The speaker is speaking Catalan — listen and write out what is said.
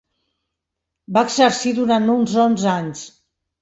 Va exercir durant uns onze anys.